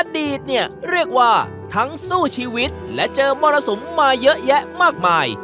อดีตเนี่ยเรียกว่าทั้งสู้ชีวิตและเจอมรสุมมาเยอะแยะมากมาย